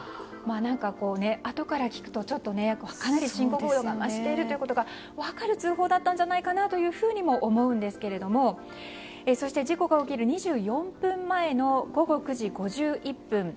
何か、あとから聞くとかなり深刻度が増していることが分かる通報だったんじゃないかと思うんですけどそして、事故が起きる２４分前の午後９時５１分。